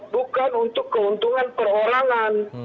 bukan untuk keuntungan perorangan